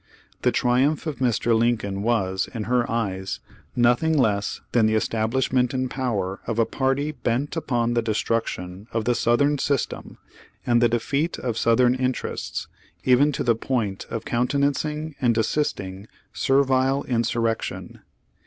The triumph of Mr. Lincoln was, in her eyes, nothing less than the establishment in power of a party bent upon the destruc tion of the Southern system and the defeat of Southern interests, even to the point of countenancing and assisting servile insurrection.